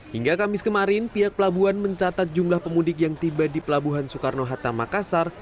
hingga kamis kemarin pihak pelabuhan mencatat jumlah pemudik yang tiba di pelabuhan soekarno hatta makassar